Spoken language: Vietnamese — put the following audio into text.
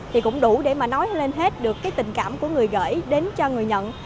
thì cũng đủ để mà nói lên hết được cái tình cảm của người gửi đến cho người nhận